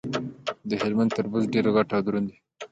د هلمند تربوز ډیر غټ او دروند وي.